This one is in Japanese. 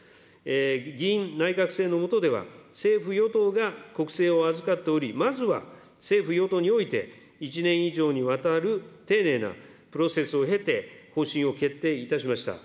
議院内閣制の下では、政府・与党が国政を預かっており、まずは政府・与党において、１年以上にわたる丁寧なプロセスを経て、方針を決定いたしました。